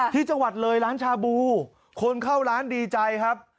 ที่จังหวัดเลยร้านชาบูคนเข้าร้านดีใจครับ